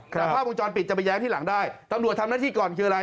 แต่ภาพวงจรปิดจะไปแย้งที่หลังได้ตำรวจทำหน้าที่ก่อนคืออะไร